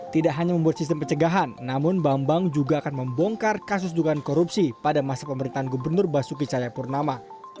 tidak hanya membuat sistem pencegahan namun bambang juga akan membongkar kasus dugaan korupsi pada masa pemerintahan gubernur basuki cahayapurnama